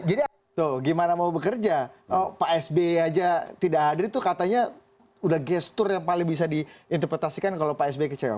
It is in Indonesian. jadi tuh gimana mau bekerja pak sby aja tidak hadir itu katanya udah gestur yang paling bisa diinterpretasikan kalau pak sby kecewa